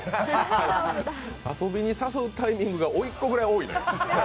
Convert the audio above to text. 遊びに誘うタイミングがおいっ子ぐらい多いな。